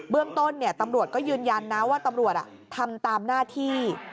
เรื่องต้นตำรวจก็ยืนยันนะว่าตำรวจทำตามหน้าที่